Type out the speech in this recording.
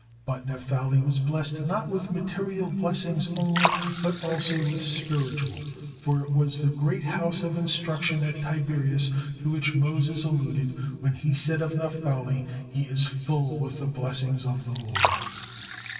But Naphtali was blessed not with material blessings only, but also with spiritual; for it was the great house of instruction at Tiberias to which Moses alluded when he said of Naphtali, "he is 'full with the blessings of the Lord.'"